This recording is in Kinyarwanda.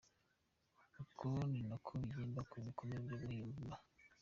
Uko ni nako bigenda ku gikomere cyo mu mutima.